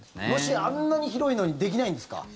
ロシアあんなに広いのにできないんですか？